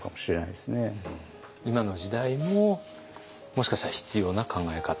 今の時代ももしかしたら必要な考え方？